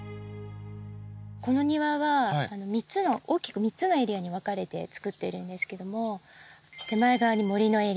この庭は３つの大きく３つのエリアに分かれてつくっているんですけども手前側に森のエリア。